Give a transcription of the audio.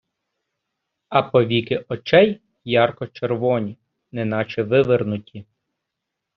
А повіки очей ярко-червоні, неначе вивернуті.